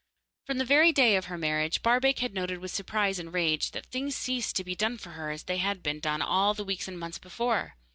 From the very day of her marriage Barbaik had noted with surprise and rage that things ceased to be done for her as they had been done all the weeks and months before.